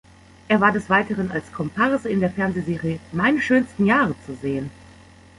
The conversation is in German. Er war des Weiteren als Komparse in der Fernsehserie "Meine schönsten Jahre" zu sehen.